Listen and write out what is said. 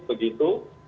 lebih solid begitu